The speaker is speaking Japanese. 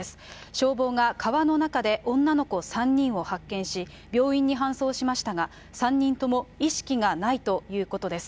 消防が川の中で女の子３人を発見し、病院に搬送しましたが、３人とも意識がないということです。